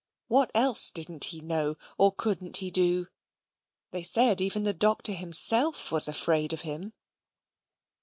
What else didn't he know, or couldn't he do? They said even the Doctor himself was afraid of him.